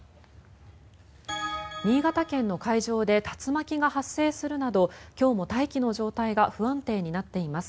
新潟県の海上で竜巻が発生するなど今日も大気の状態が不安定になっています。